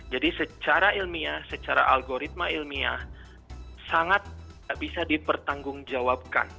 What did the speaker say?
jadi secara ilmiah secara algoritma ilmiah sangat bisa dipertanggungjawabkan